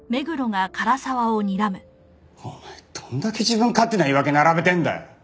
お前どんだけ自分勝手な言い訳並べてんだよ。